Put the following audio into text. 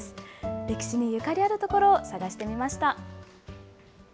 歴史にゆかりある所を探してみました。